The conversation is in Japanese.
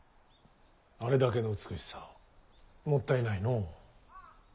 あれだけの美しさもったいないのう。